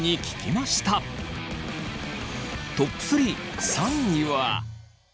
トップ３３位は。